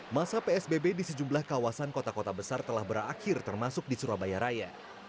masa psbb di sejumlah kawasan kota kota besar telah berakhir termasuk di surabaya raya